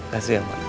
kasih ya mak